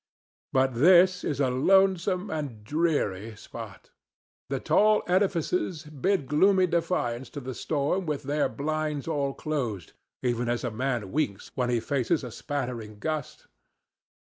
But this is a lonesome and dreary spot. The tall edifices bid gloomy defiance to the storm with their blinds all closed, even as a man winks when he faces a spattering gust.